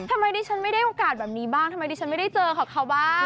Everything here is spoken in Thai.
ทำไมดิฉันไม่ได้โอกาสแบบนี้บ้างทำไมดิฉันไม่ได้เจอกับเขาบ้าง